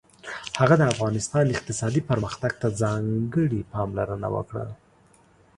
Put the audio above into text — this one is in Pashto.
هغه د افغانستان اقتصادي پرمختګ ته ځانګړې پاملرنه وکړه.